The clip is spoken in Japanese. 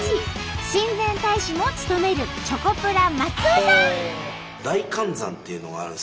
親善大使も務めるチョコプラ松尾さん！